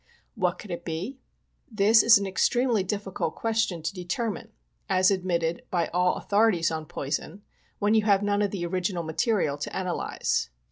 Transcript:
What could it be ? This is an extremely difficult question to determine — as admitted by all authorities on poison — when you have none of the original material to analyze.